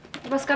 mama banget tuh